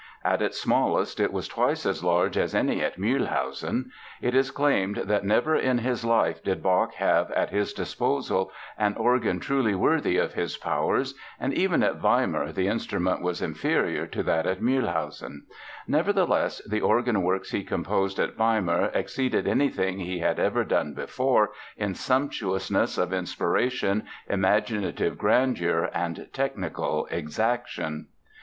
At its smallest it was twice as large as at Mühlhausen. It is claimed that never in his life did Bach have at his disposal an organ truly worthy of his powers and even at Weimar the instrument was inferior to that in Mühlhausen. Nevertheless, the organ works he composed at Weimar exceeded anything he had ever done before in sumptuousness of inspiration, imaginative grandeur, and technical exaction.